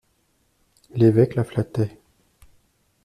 L'évêque la flattait.